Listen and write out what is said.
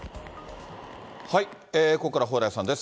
ここから蓬莱さんです。